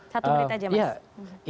satu menit aja mas